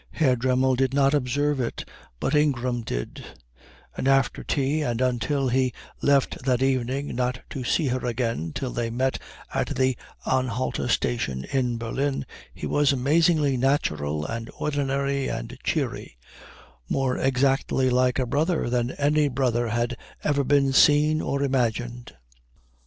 Herr Dremmel did not observe it, but Ingram did; and after tea and until he left that evening not to see her again till they met at the Anhalter station in Berlin, he was amazingly natural and ordinary and cheery, more exactly like a brother than any brother that had ever been seen or imagined.